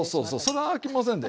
それあきませんで。